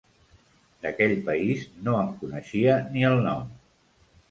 D'aquell país, no en coneixia ni el nom!